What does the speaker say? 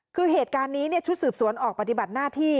คือเหตุการณ์นี้ชุดสืบสวนออกปฏิบัติหน้าที่